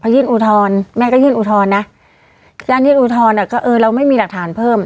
ยื่นอุทธรณ์แม่ก็ยื่นอุทธรณ์นะการยื่นอุทธรณ์อ่ะก็เออเราไม่มีหลักฐานเพิ่ม